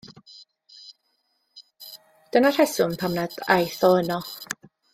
Dyna'r rheswm pam nad aeth o yno.